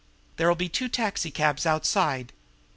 There'll be two taxicabs outside.